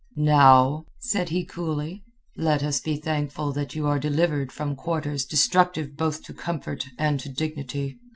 "Now," said he coolly, "let us be thankful that you are delivered from quarters destructive both to comfort and to dignity.